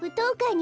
に